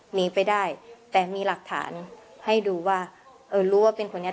หนีไปได้แต่มีหลักฐานให้ดูว่าเออรู้ว่าเป็นคนนี้